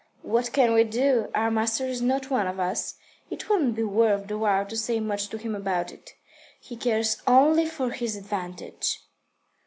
'" "What can we do? Our master is not one of us. It wouldn't be worth the while to say much to him about it. He cares only for his own advantage."